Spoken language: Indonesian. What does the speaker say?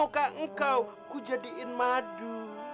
mauka engkau ku jadiin madu